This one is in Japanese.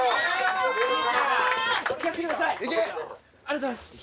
ありがとうございます